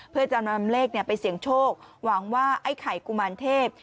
เพื่อจะนำเลขไปเสี่ยงโชคหวังว่าไอ้ไข่กุมารเทพ